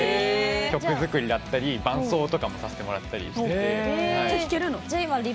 曲作りだったり、伴奏とかもさせてもらったりしてて。